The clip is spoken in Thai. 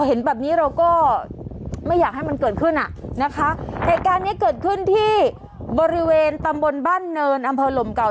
เห็นแบบนี้เราก็ไม่อยากให้มันเกิดขึ้นอ่ะนะคะเหตุการณ์เนี้ยเกิดขึ้นที่บริเวณตำบลบ้านเนินอำเภอลมเก่า